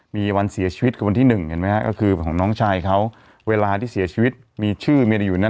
มีวันเสียชีวิตคือวันที่หนึ่งเห็นไหมฮะก็คือของน้องชายเขาเวลาที่เสียชีวิตมีชื่อเมียอยู่นั้น